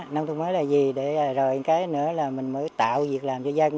nông thôn mới là gì để rồi cái nữa là mình mới tạo việc làm cho dân